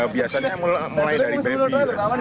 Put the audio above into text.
biasanya mulai dari baby